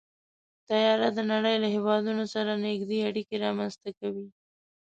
طیاره د نړۍ له هېوادونو سره نږدې اړیکې رامنځته کوي.